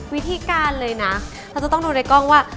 วิธีการเลยนะเราจะต้องดูในกล้องว่า